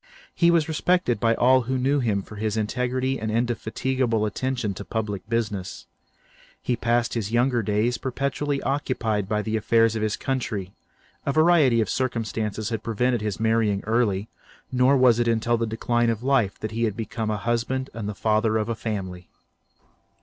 He was respected by all who knew him for his integrity and indefatigable attention to public business. He passed his younger days perpetually occupied by the affairs of his country; a variety of circumstances had prevented his marrying early, nor was it until the decline of life that he became a husband and the father of a family.